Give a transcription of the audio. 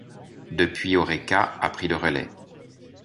Depuis Oreca a pris le relais.